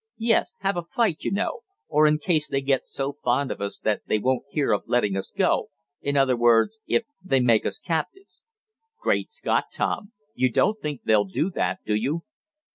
"Yes, have a fight, you know, or in case they get so fond of us that they won't hear of letting us go in other words if they make us captives." "Great Scott, Tom! You don't think they'll do that, do you?"